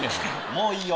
もういいよ。